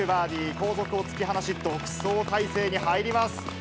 後続を突き放し、独走態勢に入ります。